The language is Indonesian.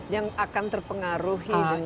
yang akan terpengaruhi dengan